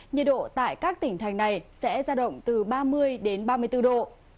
nhiệt độ tại các tỉnh thành này sẽ ra động từ ba mươi đến ba mươi bốn độ